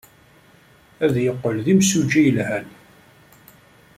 Ad yeqqel d imsujji yelhan.